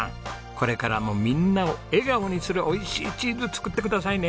これからもみんなを笑顔にするおいしいチーズ作ってくださいね。